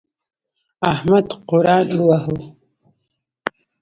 احمد قرآن وواهه.